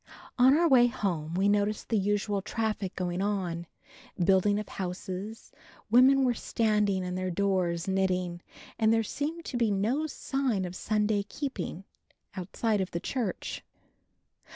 On our way home, we noticed the usual traffic going on, building of houses, women were standing in their doors knitting and there seemed to be no sign of Sunday keeping, outside of the church.